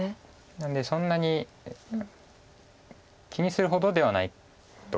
なのでそんなに気にするほどではないと思います。